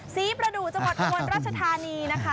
ศรีพระดุจังหวัดกระมวลราชธานี